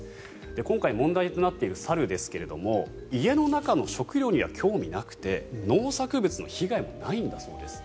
今回問題が起きている猿ですが家の中の食料には興味なくて農作物の被害もないんだそうです。